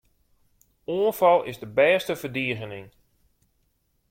Oanfal is de bêste ferdigening.